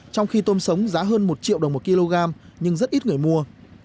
trong khi tôm sống giá hơn một triệu đồng một kg nhưng rất ít người mua